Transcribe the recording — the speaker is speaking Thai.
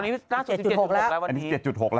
ตอนนี้ล่าสุด๗๖แล้ววันนี้๗๖แล้วล่าสุดนะครับ